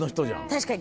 確かに。